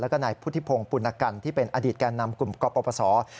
แล้วก็นายพุทธิพงศ์ปุณกันที่เป็นอดีตแก่นำกลุ่มกปศ